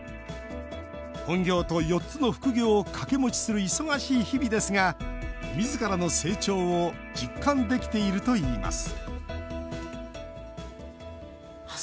本業と４つの副業を掛け持ちする忙しい日々ですがみずからの成長を実感できているといいます